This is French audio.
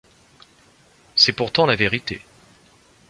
C’est pourtant la vérité.